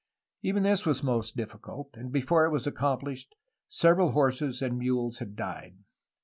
Even this was most difficult, and before it was accompUshed several horses and mules had died.